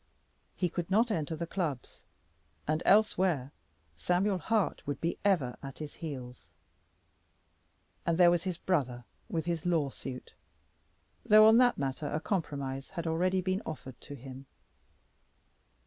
He could not enter the clubs, and elsewhere Samuel Hart would be ever at his heels. And there was his brother with his lawsuit, though on that matter a compromise had already been offered to him.